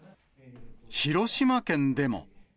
広島県でも。